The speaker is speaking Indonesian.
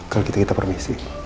kalau gitu kita permisi